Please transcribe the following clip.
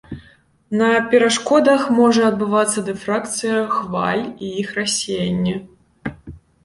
На перашкодах можа адбывацца дыфракцыя хваль і іх рассеянне.